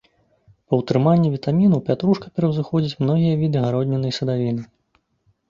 Па ўтрыманні вітамінаў пятрушка пераўзыходзіць многія віды гародніны і садавіны.